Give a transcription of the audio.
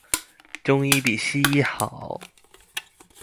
中醫比西醫好